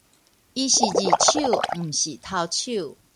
伊是二手，毋是頭手